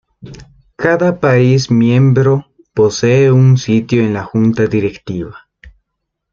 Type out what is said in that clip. Cada país miembro posee un sitio en la Junta Directiva.